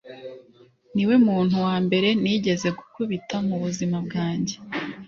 niwe muntu wambere nigeze gukubita mubuzima bwanjye